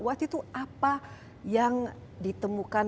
apa yang ditemukan